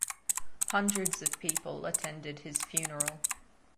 Hundreds of people attended his funeral.